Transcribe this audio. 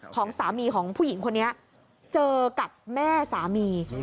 ของสามีของผู้หญิงคนนี้เจอกับแม่สามี